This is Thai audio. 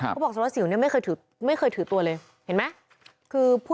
เขาบอกสารวัฒน์ศิลป์เนี่ยไม่เคยถือตัวเลย